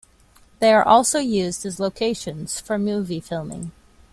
They are also used as locations for movie filming.